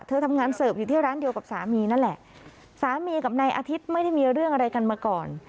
เธอทำงานเสิร์ฟอยู่ที่ร้านเดียวกับสามีนั่นแหละสามีกับนายอาทิตย์ไม่ได้มีเรื่องอะไรกันมาก่อน